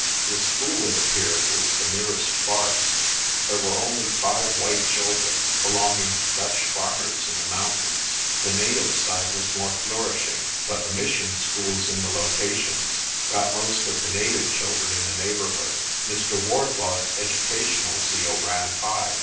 The school, it appeared, was the merest farce. There were only five white children, belonging to Dutch farmers in the mountains. The native side was more flourishing, but the mission schools in the locations got most of the native children in the neighbourhood. Mr. Wardlaw's educational zeal ran high.